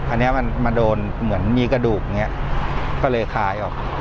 อันนี้มันมาโดนเหมือนมีกระดูกอย่างนี้ก็เลยคลายออก